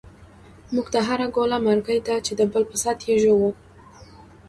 مونږ ته هر گوله مرگۍ دۍ، چی دبل په ست یی ژوو